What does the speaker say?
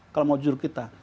kalau mau jujur kita